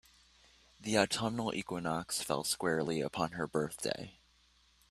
The autumnal equinox fell squarely upon her birthday.